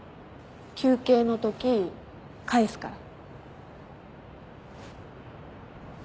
休憩のとき返すから。